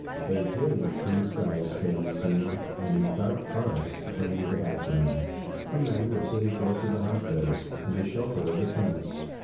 A brilliant blue sky spanned the scene and the dark forest framed the background. Two men were sitting close to the hot beds, in the shelter of the fence.